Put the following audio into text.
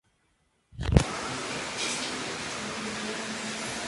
Dada la escasa población residente no existen equipos deportivos en ninguna disciplina.